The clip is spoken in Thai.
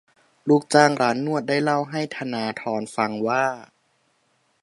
ลูกจ้างร้านนวดได้เล่าให้ธนาธรฟังว่า